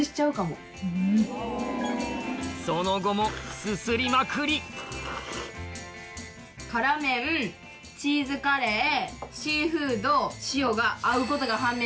その後もすすりまくり辛麺チーズカレーシーフードしおが。